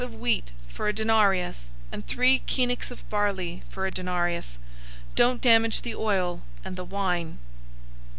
} of wheat for a denarius, and three choenix of barley for a denarius! Don't damage the oil and the wine!"